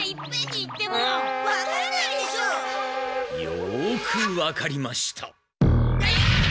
よくわかりました。